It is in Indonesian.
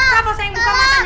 tolong ini bukan mami